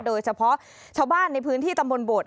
โดยเฉพาะชาวบ้านในพื้นที่ตำบลโบด